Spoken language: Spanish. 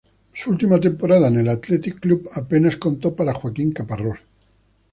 Su última temporada en el Athletic Club, apenas contó para Joaquín Caparrós.